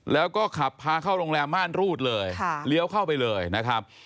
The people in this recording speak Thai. แล้วก็ขับพาเข้าโรงแรมม่านรูดเลยเลี้ยวเข้าไปเลยนะครับ